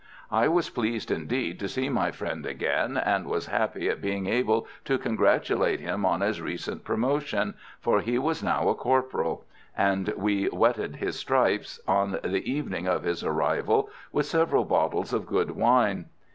I was pleased, indeed, to see my friend again, and was happy at being able to congratulate him on his recent promotion, for he was now a corporal; and we "wetted his stripes" on the evening of his arrival with several bottles of good wine.